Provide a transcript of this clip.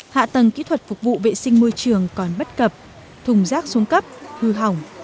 hạ tầng kỹ thuật phục vụ vệ sinh môi trường còn bất cập thùng rác xuống cấp hư hỏng